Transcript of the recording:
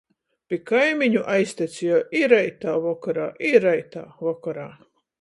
Pi kaimiņu aiztecieju I reitā, vokorā, I reitā, vokorā...